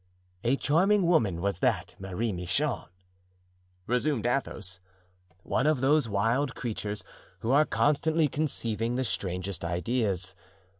"A charming woman was that Marie Michon," resumed Athos, "one of those wild creatures who are constantly conceiving the strangest ideas.